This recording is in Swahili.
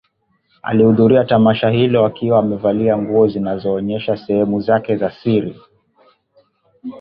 Alihudhuria tamasha hilo akiwa amevalia nguo zinazoonyesha sehemu zake za siri